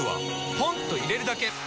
ポンと入れるだけ！